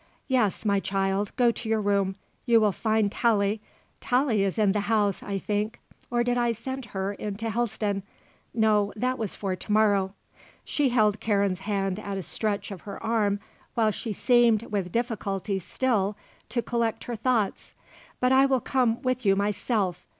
"Yes, my child. Go to your room. You will find Tallie. Tallie is in the house, I think or did I send her in to Helston? no, that was for to morrow." She held Karen's hand at a stretch of her arm while she seemed, with difficulty still, to collect her thoughts. "But I will come with you myself.